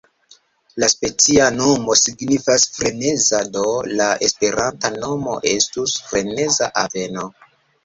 La specia nomo signifas freneza, do la esperanta nomo estus freneza aveno.